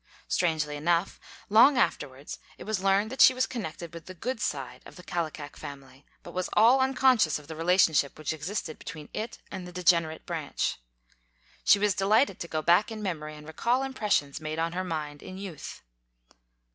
Strangely enough, long afterwards it was learned that she was connected with the good side of the Kallikak family, but was all unconscious of the relationship which existed between it and the degenerate branch. She was delighted to go back in memory and recall impressions made on her mind in youth.